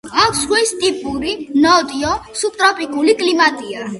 აქ ზღვის ტიპური, ნოტიო, სუბტროპიკული კლიმატია.